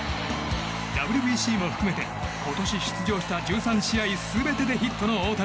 ＷＢＣも含めて今年出場した１３試合全てでヒットの大谷。